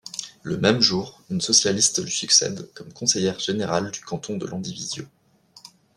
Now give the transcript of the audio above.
Le même jour, une socialiste lui succède comme conseillère générale du canton de Landivisiau.